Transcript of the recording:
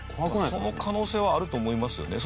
その可能性はあると思いますよね。